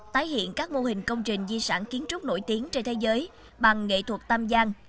tái hiện các mô hình công trình di sản kiến trúc nổi tiếng trên thế giới bằng nghệ thuật tam giang